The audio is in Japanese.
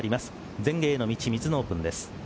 全英への道ミズノオープンです。